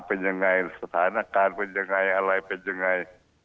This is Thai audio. เป็นยังไงสถานการณ์เป็นยังไงอะไรเป็นยังไง